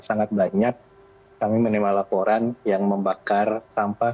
sangat banyak kami menerima laporan yang membakar sampah